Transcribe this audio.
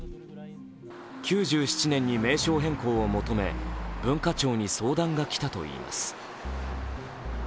９７年に名称変更を求め、文化庁に相談が来たといいます。